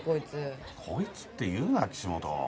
こいつって言うな岸本。